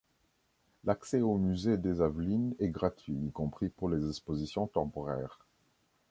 L'accès au musée des Avelines est gratuit, y compris pour les expositions temporaires.